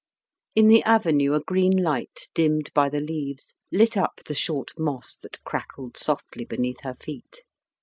In the avenue a green light dimmed by the leaves lit up the short moss that crackled softly beneath her feet.